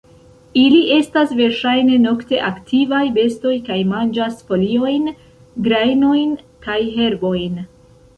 Ili estas verŝajne nokte aktivaj bestoj kaj manĝas foliojn, grajnojn kaj herbojn.